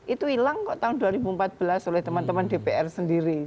itu hilang kok tahun dua ribu empat belas oleh teman teman dpr sendiri